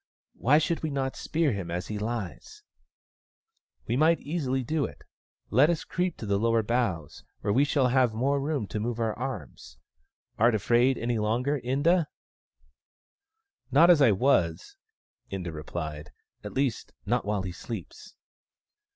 " Why should we not spear him as he lies ?"" We might easily do it. Let us creep to the lower boughs, where we shall have more room to move our arms. Art afraid any longer, Inda ?"" Not as I was," Inda replied, " At least, not white he sleeps."